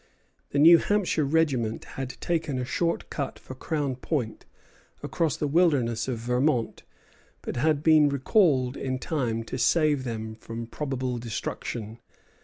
The New Hampshire regiment had taken a short cut for Crown Point across the wilderness of Vermont; but had been recalled in time to save them from probable destruction.